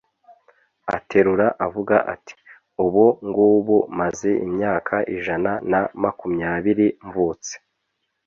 aterura avuga ati «ubu ngubu maze imyaka ijana na makumyabiri mvutse;